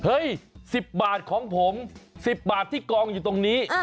๑๐บาทของผม๑๐บาทที่กองอยู่ตรงนี้